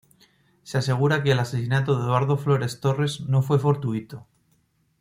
Se asegura que el asesinato de Eduardo Flores Torres, no fue fortuito.